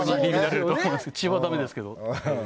血はダメですけど。